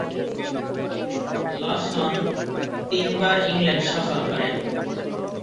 লসন তিনবার ইংল্যান্ড সফর করেন।